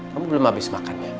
kamu belum habis makan ya